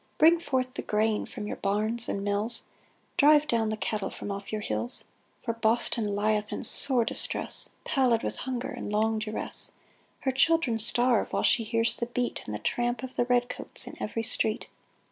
Bring forth the grain from your barns and mills ; Drive down the cattle from off your hills ; For Boston lieth in sore distress, Pallid with hunger and long duress : Her children starve, while she hears the beat And the tramp of the red coats in every street